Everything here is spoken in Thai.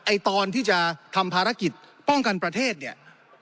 ตอนที่จะทำภารกิจป้องกันประเทศเนี่ย